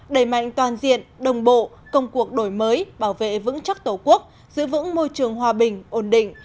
đẩy mạnh toàn diện đồng bộ công cuộc đổi mới bảo vệ vững chắc tổ quốc giữ vững môi trường hòa bình ổn định